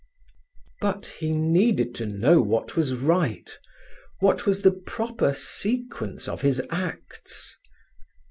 But he needed to know what was right, what was the proper sequence of his acts.